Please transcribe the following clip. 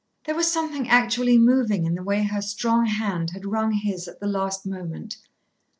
There was something actually moving in the way her strong hand had wrung his at the last moment.